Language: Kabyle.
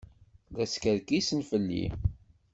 La skerkisen fell-i.